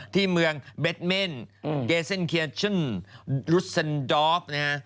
ที่เมืองเบ็ดเม่นเกเซนเคียชั่นรุสเซ็นดอล์ฟนะฮะ